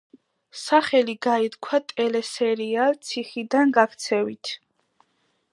სახელი გაითქვა ტელესერიალ ციხიდან გაქცევით.